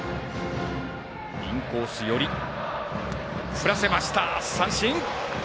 振らせました、三振！